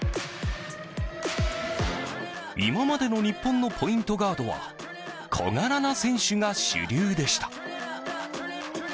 今までの日本のポイントガードは小柄な選手が主流でした。